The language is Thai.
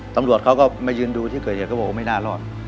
ตำรวจเขาก็มายืนดูที่เกิดเหตุเขาบอกว่าไม่น่ารอด